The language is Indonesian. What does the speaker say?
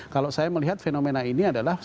kalau saya melihat fenomena ini adalah